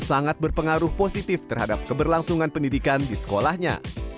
sangat berpengaruh positif terhadap keberlangsungan pendidikan di sekolahnya